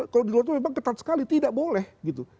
kalau di luar itu memang ketat sekali tidak boleh gitu